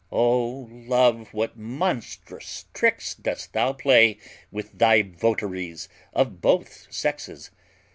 O Love, what monstrous tricks dost thou play with thy votaries of both sexes!